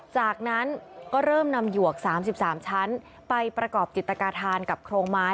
จากนั้นก็เริ่มนำหยวก๓๓ชั้นไปประกอบจิตกาธานกับโครงไม้